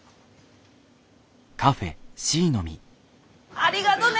ありがとね。